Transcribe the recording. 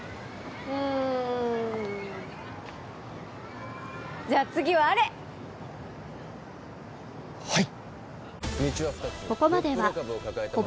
うんじゃあ次はあれはい！